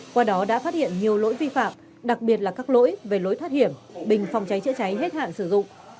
qua đó đã phát hiện nhiều lỗi vi phạm đặc biệt là các lỗi về lối thoát hiểm bình phòng cháy chữa cháy hết hạn sử dụng